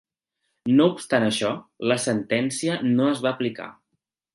No obstant això, la sentència no es va aplicar.